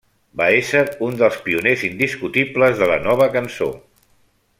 Va ésser un dels pioners indiscutibles de la Nova Cançó.